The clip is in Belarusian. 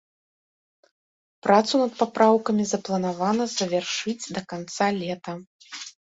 Працу над папраўкамі запланавана завяршыць да канца лета.